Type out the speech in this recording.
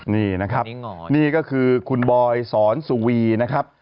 นี่นะครับนี่ก็คือคุณบอยสอนสุวีนะครับ